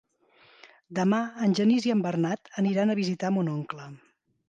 Demà en Genís i en Bernat aniran a visitar mon oncle.